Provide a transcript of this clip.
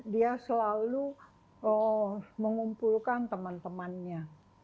dia selalu mengumpulkan teman temannya